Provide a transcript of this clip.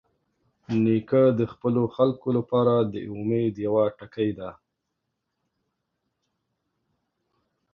نیکه د خپلو خلکو لپاره د امید یوه ټکۍ ده.